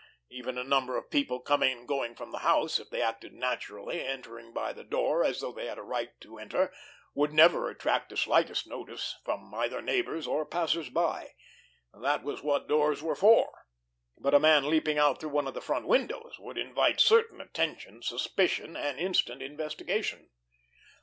Even a number of people coming and going from the house, if they acted naturally, entering by the door as though they had a right to enter, would never attract the slightest notice from either neighbors or passers by. That was what doors were for! But a man leaping out through one of the front windows would invite certain attention, suspicion, and instant investigation.